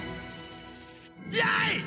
やい！